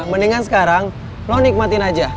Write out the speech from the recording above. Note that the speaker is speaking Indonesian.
mendingan sekarang lo nikmatin aja